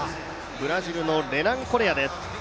ブラジルのレナン・コレアです。